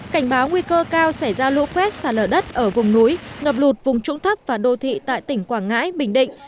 cảnh báo nguy cơ cao xảy ra lũ quét xa lở đất ở vùng núi ngập lụt vùng trũng thấp và đô thị tại tỉnh quảng ngãi bình định